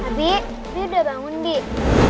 abi dia udah bangun nek